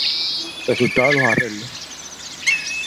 Resultado de los arreglos